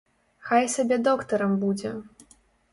Хай сабе доктарам будзе.